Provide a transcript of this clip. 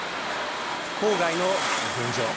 郊外の現状